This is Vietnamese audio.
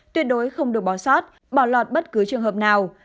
tuyệt đối không được bỏ sót bỏ lọt bất cứ trường hợp nào